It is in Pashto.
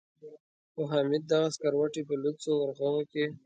خو حامد دغه سکروټې په لوڅو ورغوو کې.